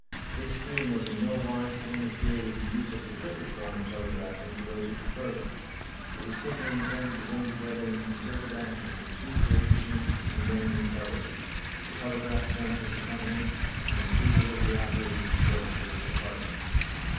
This scheme was in no wise to interfere with the use of the quicker form of telegraphing for those who preferred it. It was simply intended to bring together in concerted action the two great machines for conveying intelligence, the telegraph plant of the companies and the free delivery operating forces of the Department.